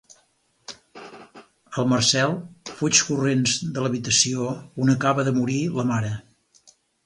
El Marcel fuig corrents de l'habitació on acaba de morir la mare.